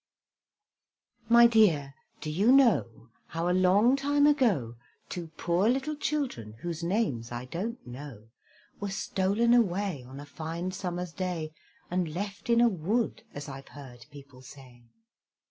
My dear, do you know, How a long time ago, Two poor little children, Whose names I don't know, Were stolen away on a fine summer's day, And left in a wood, as I've heard people say.